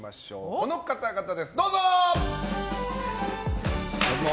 この方々です、どうぞ！